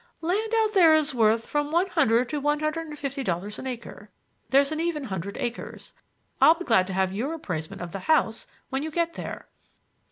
"Land out there is worth from one hundred to one hundred and fifty dollars an acre. There's an even hundred acres. I'll be glad to have your appraisement of the house when you get there."